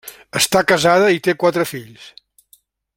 Està casada i té quatre fills.